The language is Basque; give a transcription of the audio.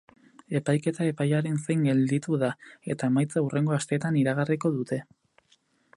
Epaiketa epaiaren zain gelditu da eta emaitza hurrengo asteetan iragarriko dute.